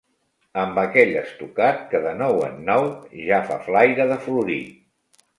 Amb aquell estucat que de nou en nou ja fa flaira de florit